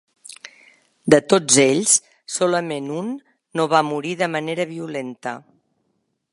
De tots ells, solament un no va morir de manera violenta.